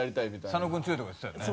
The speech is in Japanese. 佐野君強いとか言ってたよね。